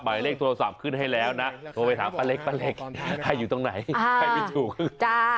หมายเลขโทรศัพท์ขึ้นให้แล้วนะโทรไปถามป้าเล็กป้าเล็กให้อยู่ตรงไหนใครไม่ถูกจ้า